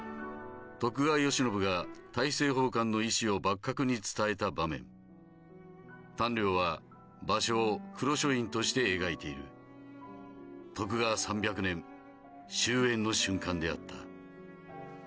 徳川慶喜が大政奉還の意思を幕閣に伝えた場面丹陵は場所を黒書院として描いている徳川３００年終えんの瞬間であった